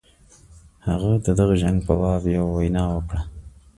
هغه د دغه جنګ په باب یوه وینا وکړه.